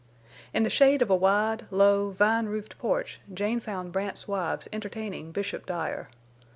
In the shade of a wide, low, vine roofed porch Jane found Brandt's wives entertaining Bishop Dyer.